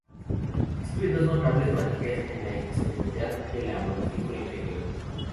Exhibe dos notables barbillas en la extremidad de la mandíbula inferior.